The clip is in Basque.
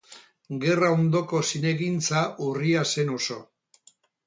Gerra-ondoko zinegintza urria zen oso.